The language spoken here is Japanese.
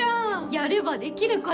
やればできる子だ。